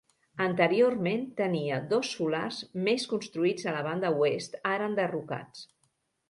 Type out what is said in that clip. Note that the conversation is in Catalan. Anteriorment tenia dos solars més construïts a la banda oest, ara enderrocats.